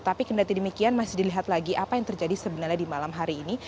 tapi kendali demikian masih dilihat lagi apa yang terjadi sebenarnya di malam hari ini